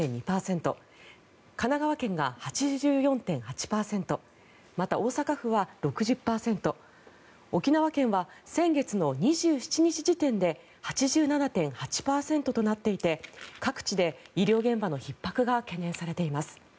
神奈川県が８４．８％また、大阪府は６０％沖縄県は先月の２７日時点で８７．８％となっていて各地で医療現場のひっ迫が懸念されています。